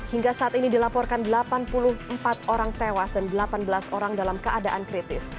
hingga saat ini dilaporkan delapan puluh empat orang tewas dan delapan belas orang dalam keadaan kritis